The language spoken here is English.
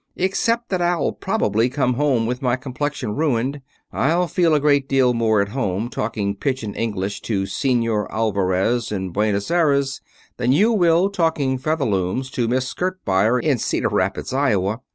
except that I'll probably come home with my complexion ruined. I'll feel a great deal more at home talking pidgin English to Senor Alvarez in Buenos Aires than you will talking Featherlooms to Miss Skirt Buyer in Cedar Rapids, Iowa.